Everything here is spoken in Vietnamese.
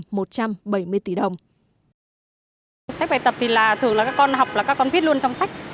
sách bài tập thì là thường là các con học là các con viết luôn trong sách